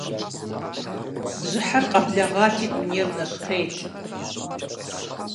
Бжьыхьэр къэблэгъати, дунейр нэщхъейт.